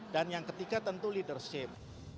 dan yang ketiga tentu leadership